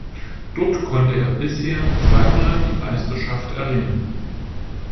Dort konnte er bisher zweimal die Meisterschaft erringen.